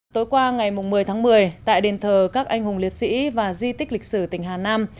tối qua ngày một mươi tháng một mươi tại đền thờ các anh hùng liệt sĩ và di tích lịch sử tỉnh hà nam